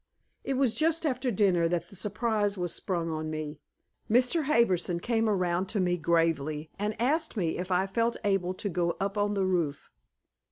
It was just after dinner that the surprise was sprung on me. Mr. Harbison came around to me gravely, and asked me if I felt able to go up on the roof.